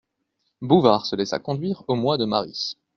Bouvard se laissa conduire au mois de Marie.